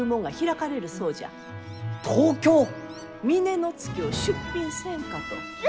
峰乃月を出品せんかと。